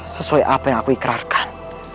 sesuai apa yang aku ikrarkan